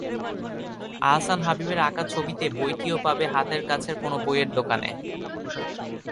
আহসান হাবীবের আঁকা ছবিতে বইটিও পাবে হাতের কাছের কোনো বইয়ের দোকানে।